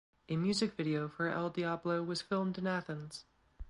A music video for "El Diablo" was filmed in Athens.